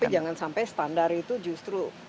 tapi jangan sampai standar itu justru